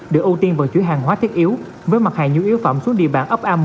được ưu tiên vận chuyển hàng hóa thiết yếu với mặt hàng nhu yếu phẩm xuống địa bàn ấp a một